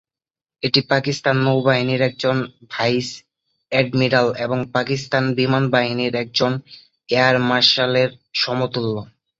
এটি পাকিস্তান নৌবাহিনীর একজন ভাইস অ্যাডমিরাল এবং পাকিস্তান বিমান বাহিনীর একজন এয়ার মার্শালের সমতুল্য।